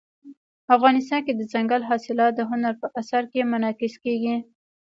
افغانستان کې دځنګل حاصلات د هنر په اثار کې منعکس کېږي.